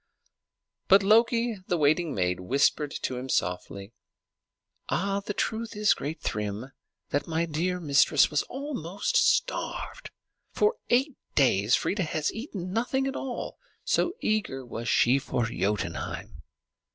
But Loki, the waiting maid, whispered to him softly, "The truth is, great Thrym, that my dear mistress was almost starved. For eight days Freia has eaten nothing at all, so eager was she for Jotunheim."